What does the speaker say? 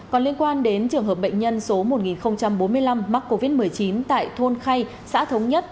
còn liên quan đến trường hợp bệnh nhân số một nghìn bốn mươi năm mắc covid một mươi chín tại thôn khay xã thống nhất